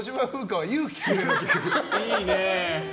いいね。